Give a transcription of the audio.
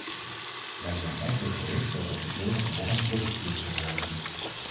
Wij zijn echt bevreesd dat er teveel gedwongen teruggestuurd zullen worden.